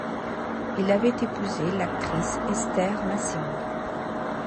Il avait épousé l'actrice Esther Masing.